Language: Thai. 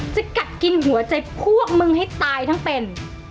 จะกัดกินหัวใจพวกมึงให้ตายทั้งเป็น